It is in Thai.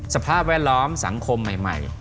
สภาพแวดล้อมสังคมใหม่